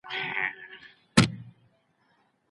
اګوستين مسيحي فکر وړاندې کړ.